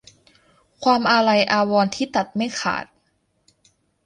ความอาลัยอาวรณ์ที่ตัดไม่ขาด